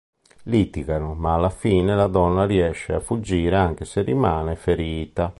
Litigano ma alla fine la donna riesce a fuggire anche se rimane ferita.